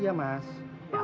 di rumah anak kamu